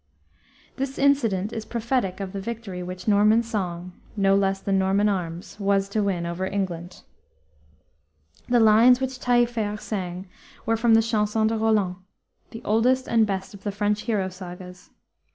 This incident is prophetic of the victory which Norman song, no less than Norman arms, was to win over England. The lines which Taillefer sang were from the Chanson de Roland, the oldest and best of the French hero sagas.